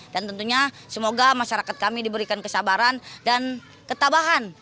dan tentunya semoga masyarakat kami diberikan kesabaran dan ketabahan